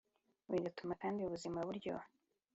bigatuma kandi ubuzima buryoha